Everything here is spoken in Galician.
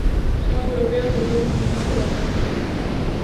Somos europeos de todo o continente e de arredor do mundo.